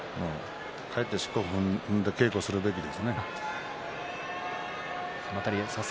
帰ってしこを踏んで稽古をするべきですね。